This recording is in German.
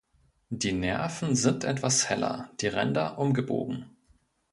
Die Nerven sind etwas heller, die Ränder umgebogen.